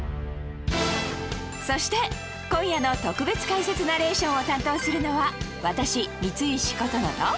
そして今夜の特別解説ナレーションを担当するのは私三石琴乃と